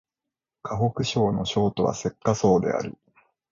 河北省の省都は石家荘である